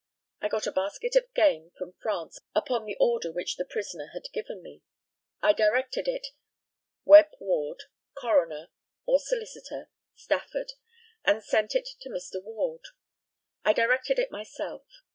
I got a basket of game from France upon the order which the prisoner had given me. I directed it "Webb Ward, coroner (or solicitor), Stafford," and sent it to Mr. Ward. I directed it myself.